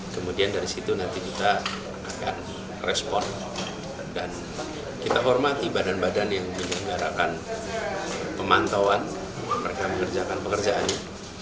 kemudian dari situ nanti kita akan respon dan kita hormati badan badan yang menyelenggarakan pemantauan mereka mengerjakan pekerjaannya